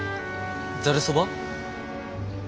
ざるそば？